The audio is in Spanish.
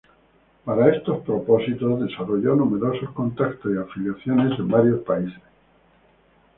Para estos propósitos desarrolló numerosos contactos y afiliaciones en varios países.